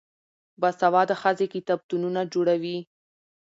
باسواده ښځې کتابتونونه جوړوي.